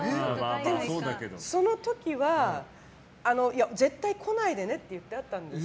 その時は、絶対来ないでねって言ってあったんです。